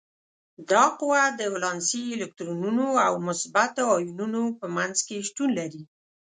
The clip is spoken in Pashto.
دا قوه د ولانسي الکترونونو او مثبتو ایونونو په منځ کې شتون لري.